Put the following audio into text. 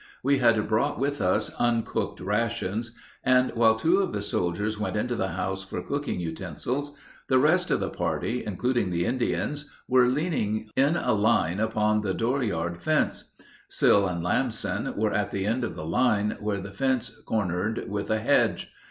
We had brought with us uncooked rations, and while two of the soldiers went into the house for cooking utensils, the rest of the party, including the Indians, were leaning in a line upon the door yard fence; Sill and Lamson were at the end of the line, where the fence cornered with a hedge.